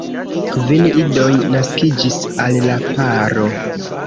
Kvin idoj naskiĝis al la paro.